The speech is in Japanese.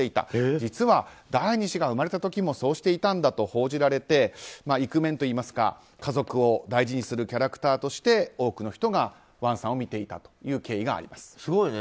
実は第２子が生まれた時もそうしていたんだと報じられてイクメンといいますか家族を大事にするキャラクターとして多くの人がワンさんを見ていたすごいね。